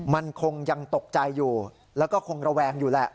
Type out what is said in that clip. มันคงยังตกใจอยู่แล้วก็คงระแวงอยู่แหละ